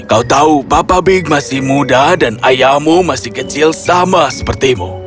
kau tahu papa big masih muda dan ayahmu masih kecil sama sepertimu